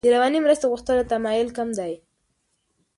د رواني مرستې غوښتلو تمایل کم دی.